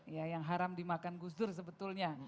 ya yang haram dimakan gus dur sebetulnya